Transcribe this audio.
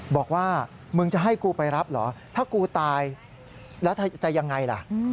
บอกว่ามึงจะให้กูไปรับเหรอถ้ากูตายแล้วจะยังไงล่ะ